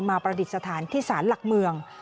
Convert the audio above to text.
ประดิษฐานที่สารหลักเมือง